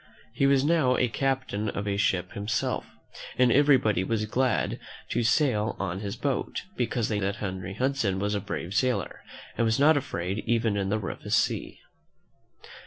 He was now a captain of a ship himself, and everybody was glad to sail on his boat, because they knew that Henry Hudson was a brave sailor, and was not afraid even in the roughest sea.